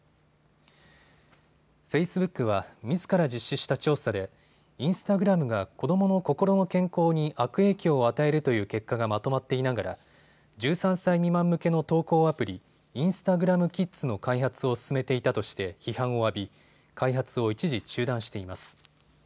フェイスブックはみずから実施した調査でインスタグラムが子どもの心の健康に悪影響を与えるという結果がまとまっていながら１３歳未満向けの投稿アプリ、インスタグラム・キッズの開発を進めていたとして批判を浴び開発を一時中断しています。